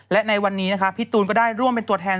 และในวันนี้นะคะพี่ตูนก็ได้ร่วมเป็นตัวแทน